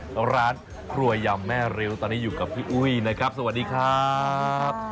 ของร้านครัวยำแม่ริ้วตอนนี้อยู่กับพี่อุ้ยนะครับสวัสดีครับ